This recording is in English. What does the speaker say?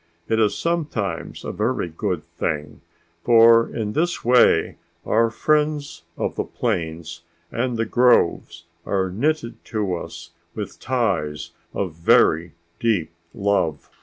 It is sometimes a very good thing, for in this way our friends of the plains and the groves are knitted to us with ties of very deep love."